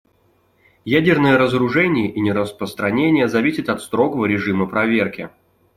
Ядерное разоружение и нераспространение зависят от строгого режима проверки.